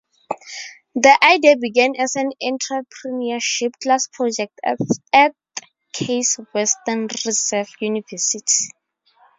The idea began as an entrepreneurship class project at Case Western Reserve University.